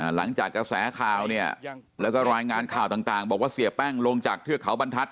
หลังจากกระแสข่าวเนี่ยแล้วก็รายงานข่าวต่างบอกว่าเสียแป้งลงจากเทือกเขาบรรทัศน